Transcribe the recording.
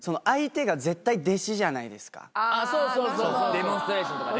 デモンストレーションとかね。